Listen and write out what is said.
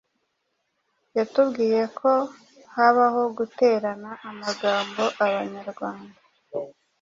yatubwiye ko habaho guterana amagambo abanyarwanda